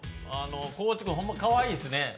高地君、ほんまかわいいですね。